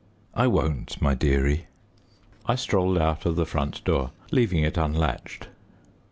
"I won't, my dearie." I strolled out of the front door, leaving it unlatched.